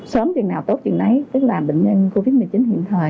sớm chừng nào tốt chừng đấy tức là bệnh nhân covid một mươi chín hiện thời